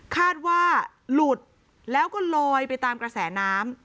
คาดว่าหลุดแล้วก็ลอยไปตามกระแสน้ำ